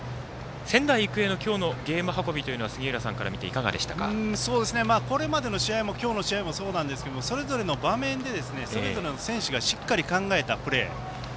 仙台育英の今日のゲーム運びというのはこれまでの試合も今日の試合もそうなんですけどそれぞれの場面でそれぞれの選手がしっかり考えたプレー。